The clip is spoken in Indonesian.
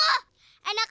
sini diri punya aku